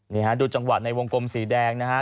นี่ฮะดูจังหวะในวงกลมสีแดงนะฮะ